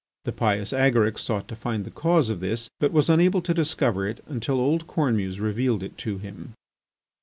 The pious Agaric sought to find the cause of this, but was unable to discover it until old Cornemuse revealed it to him.